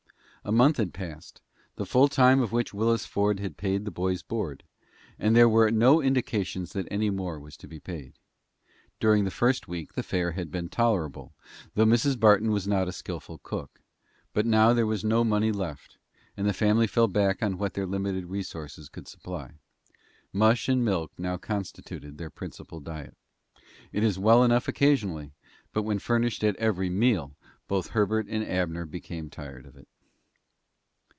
A month had passed the full time for which Willis Ford had paid the boy's board and there were no indications that any more was to be paid. During the the first week the fare had been tolerable, though Mrs. Barton was not a skillful cook; but now there was no money left, and the family fell back upon what their limited resources could supply. Mush and milk now constituted their principal diet. It is well enough occasionally, but, when furnished at every meal, both Herbert and Abner became tired of it.